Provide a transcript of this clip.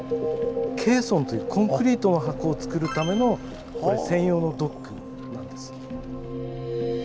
「ケーソン」というコンクリートの箱をつくるための専用のドックなんです。